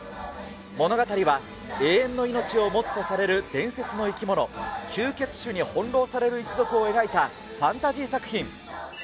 物語は、永遠の命を持つとされる伝説の生き物、吸血種に翻弄される一族を描いた、ファンタジー作品。